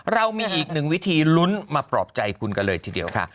เรามีอีกหนึ่งวิธีลุ้นมาปลอบใจคุณกันเลยทีเดียวค่ะ